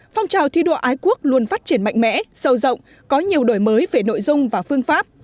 phong trào thi đua ái quốc luôn phát triển mạnh mẽ sâu rộng có nhiều đổi mới về nội dung và phương pháp